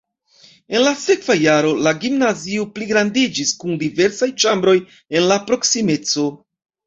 En la sekva jaro la gimnazio pligrandiĝis kun diversaj ĉambroj en la proksimeco.